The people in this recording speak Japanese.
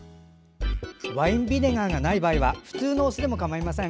ワインビネガーがない場合は普通のお酢でもかまいません。